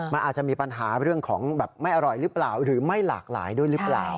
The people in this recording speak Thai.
มันอาจจะมีปัญหาเรื่องของแบบไม่อร่อยหรือเปล่าหรือไม่หลากหลายด้วยหรือเปล่า